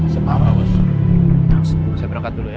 saya berangkat dulu ya